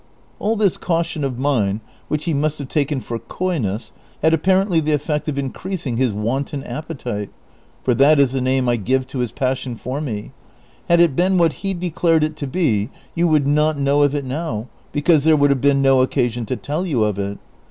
All this caution of mine, which he iiuist have taken for coyness, had apjiarently the eftect of increasing his wanton appetite — for that is the name 1 give to his passion for me ; had it been what he de clared it to be, you would not know of it now, because there would have been no occasion to tell you of it.